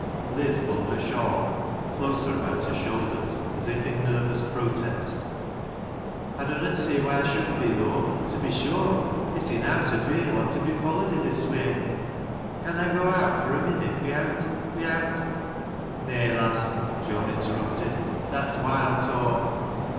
Liz pulled her shawl closer about her shoulders, as if in nervous protest. " 1 dunnot see why I should be, though to be sure it's enow to fear one to be followed i' this way. Canna I g( out fur a minnit wi'out — wi'out —" "Nay, lass," Joan interrupted, "that's wild talk."